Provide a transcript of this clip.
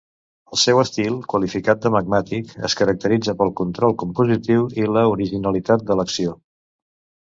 El seu estil, qualificat de magmàtic, es caracteritza pel control compositiu i l'originalitat de l'acció.